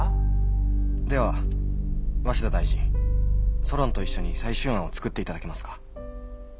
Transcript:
「では鷲田大臣ソロンと一緒に最終案を作っていただけますか？」。